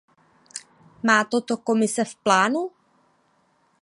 Má toto Komise v plánu?